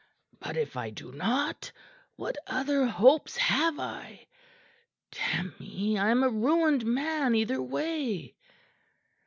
"But if I do not what other hopes have I? Damn me! I'm a ruined man either way."